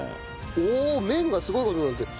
おお麺がすごい事になってる！